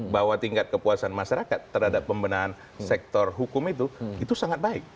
bahwa tingkat kepuasan masyarakat terhadap pembenahan sektor hukum itu itu sangat baik